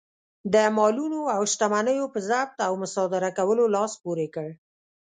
د مالونو او شتمنیو په ضبط او مصادره کولو لاس پورې کړ.